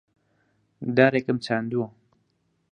دارێکم چاندووە.